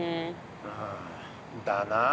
ああだな。